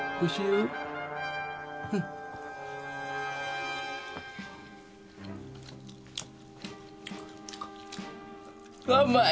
うわあうまい！